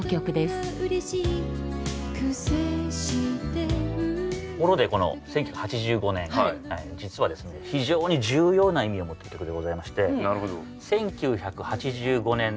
ところでこの１９８５年実はですね非常に重要な意味を持った曲でございまして１９８５年の春ですね。